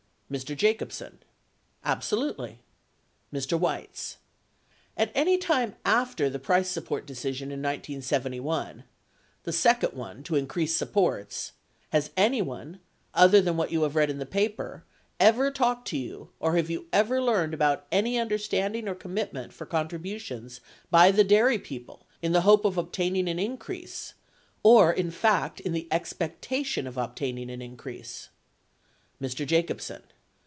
Mr. Jacobsen. Absolutely. Mr. Weitz. At any time after the price support decision in 1971 — the second one, to increase supports — has anyone, other than what you have read in the paper, ever talked to you, or have you ever learned about any understanding or commit ment for contributions by the dairy people in the hope of obtaining an increase, or in fact in the expectation of obtain ing an increase ? Mr. Jacobsen.